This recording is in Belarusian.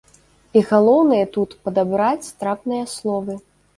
І галоўнае тут падабраць трапныя словы.